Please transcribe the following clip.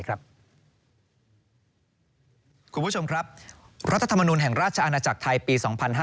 คุณผู้ชมครับรัฐธรรมนุนแห่งราชอาณาจักรไทยปี๒๕๕๙